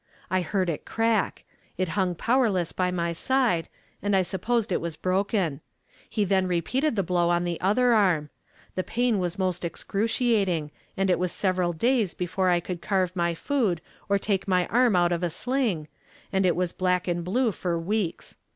I heard it crack; it hung powerless by my side, and I supposed it was broken. He then repeated the blow on the other arm. The pain was most excruciating, and it was several days before I could carve my food or take my arm out of a sling, and it was black and blue for weeks.